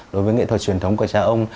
đối với nghệ thuật truyền thống của cha ông